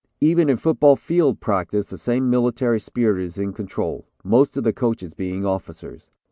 Even in football field practice the same military spirit is in control, most of the coaches being officers.